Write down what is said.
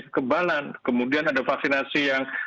kekebalan kemudian ada vaksinasi yang